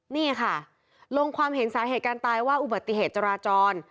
นี่ค่ะลงความเห็นสาเหตุการณ์ตายว่าอุบัติเหตุจราจร